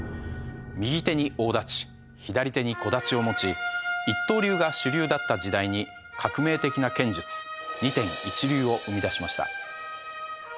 右手に大太刀左手に小太刀を持ち一刀流が主流だった時代に革命的な剣術二天一流を生み出しました。